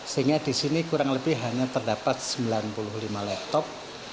sehingga di sini kurang lebih hanya terdapat sembilan puluh lima laptop